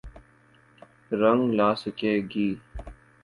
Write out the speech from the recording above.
رنگ لا سکے گی۔